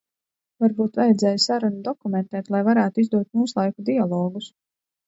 Varbūt vajadzēja sarunu dokumentēt, lai varētu izdot mūslaiku dialogus.